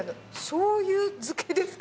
しょうゆ漬けですか？